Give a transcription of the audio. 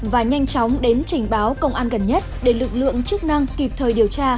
và nhanh chóng đến trình báo công an gần nhất để lực lượng chức năng kịp thời điều tra